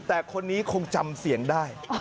แต่คนนี้คงจำเสียงได้